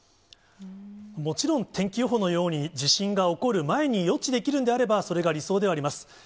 もちろん天気予報のように、地震が起こる前に予知できるんであれば、それが理想ではあります。